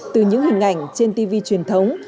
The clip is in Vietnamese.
từ những hình ảnh trên tv truyền thống